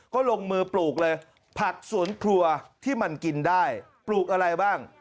ก็ลงมือปลูกเลยผักสวนครัวที่มันกินได้ปลูกอะไรบ้าง